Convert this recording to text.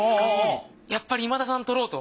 やっぱり今田さん取ろうと。